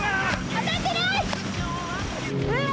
・当たってない！